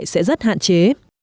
sẽ rất hạn chế